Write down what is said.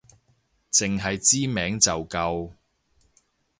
淨係知名就夠